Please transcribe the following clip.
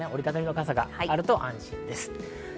折り畳みが下がると安心です。